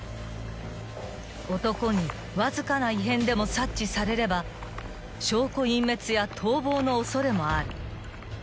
［男にわずかな異変でも察知されれば証拠隠滅や逃亡の恐れもある］